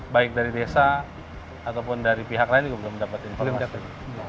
baik dari desa ataupun dari pihak lain juga belum dapat informasi